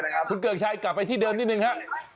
ครับคุณเกือบชัยกลับไปที่เดินที่นิดนึงครับ